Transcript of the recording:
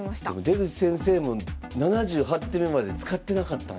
出口先生も７８手目まで使ってなかったんや。